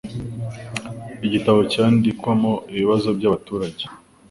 igitabo cyandikwamo ibibazo bya baturage